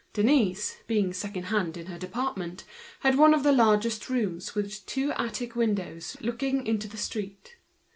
Denise, being second hand in her department, had one of the largest rooms, the two attic windows of which looked into the street.